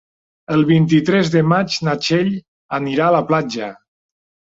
El vint-i-tres de maig na Txell anirà a la platja.